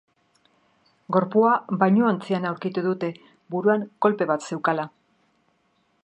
Gorpua bainuointzian aurkitu dute, buruan kolpe bat zeukala.